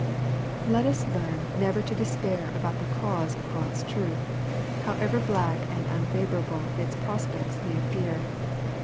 Let' us learn never to despair about the cause of God's truth, however black and unfavorable its prospects may appear.